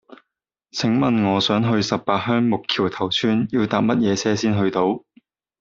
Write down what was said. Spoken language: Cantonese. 請問我想去十八鄉木橋頭村要搭乜嘢車先去到